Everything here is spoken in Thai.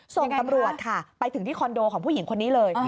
ส่งตำรวจค่ะไปถึงที่คอนโดของผู้หญิงคนนี้เลย